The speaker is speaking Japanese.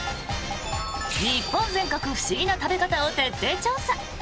日本全国不思議な食べ方を徹底調査！